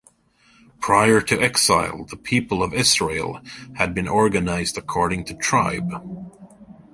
Prior to exile, the people of Israel had been organized according to tribe.